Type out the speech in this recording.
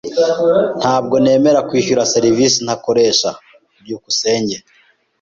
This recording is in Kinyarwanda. Ntabwo nemera kwishyura serivisi ntakoresha. byukusenge